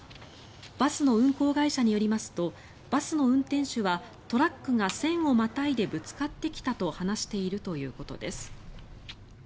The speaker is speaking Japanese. バスの運行会社によりますとバスの運転手はトラックが線をまたいでぶつかってきたと話しているということです。